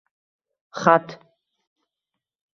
Xat…